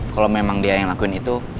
kalau memang dia yang lakuin itu